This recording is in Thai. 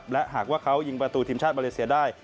และหากว่าเขายิงประตูทีมชาติมาเลเซียได้